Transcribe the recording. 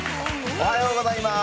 おはようございます。